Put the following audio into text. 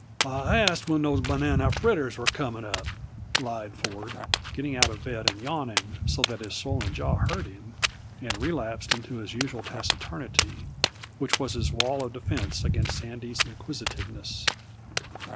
"I asked when those banana fritters are coming up," lied Ford, getting out of bed and yawning so that his swollen jaw hurt him, and relapsed into his usual taciturnity, which was his wall of defense against Sandy's inquisitiveness.